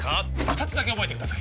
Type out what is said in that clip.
二つだけ覚えてください